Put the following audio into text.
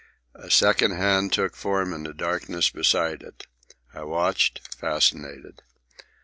A second hand took form in the darkness beside it. I watched, fascinated.